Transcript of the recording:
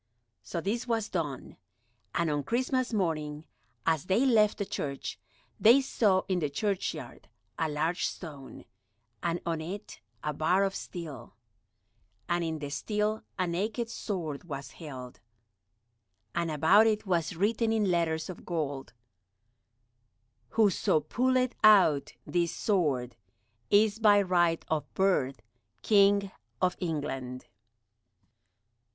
So this was done. And on Christmas morning, as they left the church, they saw in the churchyard a large stone, and on it a bar of steel, and in the steel a naked sword was held, and about it was written in letters of gold, "Whoso pulleth out this sword is by right of birth King of England."